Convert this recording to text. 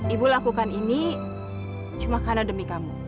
ibu lakukan ini cuma karena demi kamu